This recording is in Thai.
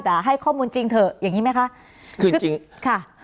แต่ให้ข้อมูลจริงเถอะอย่างงี้ไหมคะคือจริงจริงค่ะ